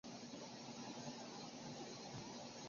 二十岁时即成为扬州评话界四大名家之一。